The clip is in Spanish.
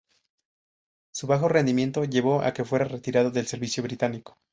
Su bajo rendimiento llevó a que fuera retirado del servicio británico.